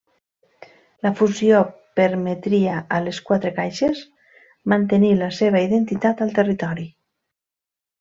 La fusió permetria a les quatre caixes mantenir la seva identitat al territori.